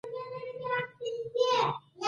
خو بیا هم یو بل پردي بولو.